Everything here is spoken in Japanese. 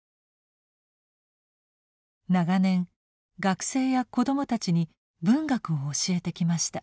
長年学生や子どもたちに文学を教えてきました。